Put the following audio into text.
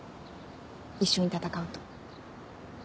一緒に闘うと。